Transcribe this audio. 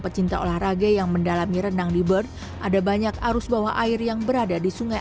pecinta olahraga yang mendalami renang di bern ada banyak arus bawah air yang berada di sungai